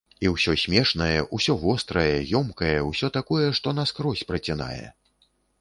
І ўсё смешнае, усё вострае, ёмкае, усё такое, што наскрозь працінае.